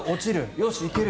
よし、行ける。